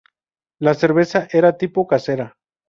La cerveza era tipo casera.